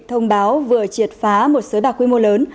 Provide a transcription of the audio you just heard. thông báo vừa triệt phá một sới bạc quy mô lớn